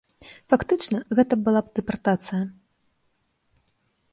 Фактычна, гэта была б дэпартацыя.